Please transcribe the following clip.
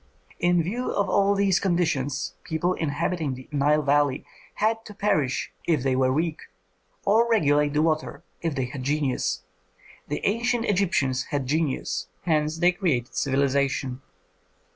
In view of all these conditions people inhabiting the Nile valley had to perish if they were weak, or regulate the water if they had genius. The ancient Egyptians had genius, hence they created civilization.